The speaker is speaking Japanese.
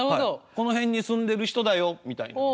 「この辺に住んでる人だよ」みたいなね。